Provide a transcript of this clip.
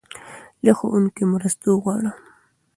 له ښوونکي مرسته وغواړه.